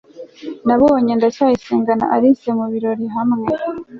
nabonye ndacyayisenga na alice mu birori hamwe